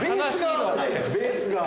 ベースが。